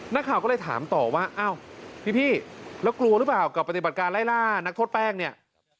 นักข่าวก็เลยถามต่อว่าอ้าวพี่แล้วกลัวหรือเปล่ากับปฏิบัติการไล่ล่านักโทษแป้งเนี่ย